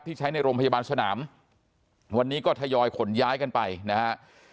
ใช้ในโรงพยาบาลสนามวันนี้ก็ทยอยขนย้ายกันไปนะฮะ